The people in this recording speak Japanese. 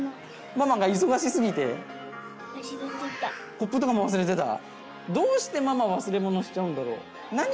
コップとかも忘れてた？